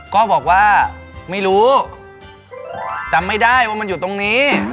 ก็บอกว่าไม่รู้จำไม่ได้ว่ามันอยู่ตรงนี้